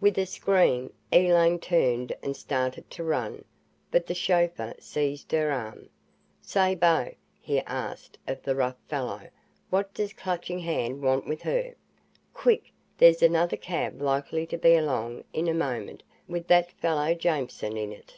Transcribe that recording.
With a scream, Elaine turned and started to run. But the chauffeur seized her arm. "Say, bo," he asked of the rough fellow, "what does Clutching Hand want with her? Quick! There's another cab likely to be along in a moment with that fellow Jameson in it."